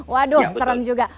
waduh serem juga